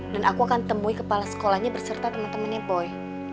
dan aku akan temui kepala sekolahnya berserta temen temennya boy